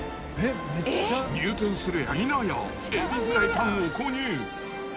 入店するやいなや、エビフライパンを購入。